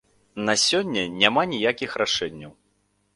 На сёння няма ніякіх рашэнняў.